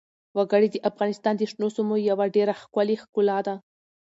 وګړي د افغانستان د شنو سیمو یوه ډېره ښکلې ښکلا ده.